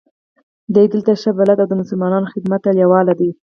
دی دلته ښه بلد او د مسلمانانو خدمت ته لېواله دی.